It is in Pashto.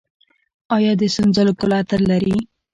آیا د سنځلو ګل عطر لري؟